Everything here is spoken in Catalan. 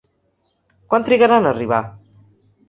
Quant trigarà en arribar?